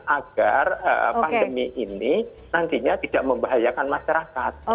agar pandemi ini nantinya tidak membahayakan masyarakat